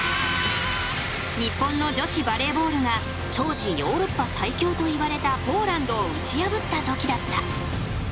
日本の女子バレーボールが当時ヨーロッパ最強といわれたポーランドを打ち破ったときだった。